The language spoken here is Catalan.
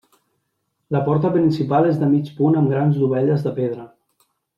La porta principal és de mig punt amb grans dovelles de pedra.